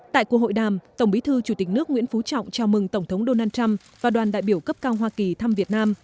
tại cuộc hội đàm tổng bí thư chủ tịch nước nguyễn phú trọng chào mừng tổng thống donald trump và đoàn đại biểu cấp cao hoa kỳ thăm việt nam